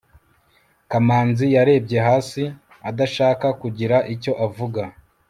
kamanzi yarebye hasi, adashaka kugira icyo avuga